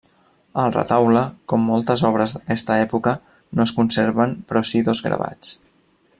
El retaule, com moltes obres d'aquesta època, no es conserven, però sí dos gravats.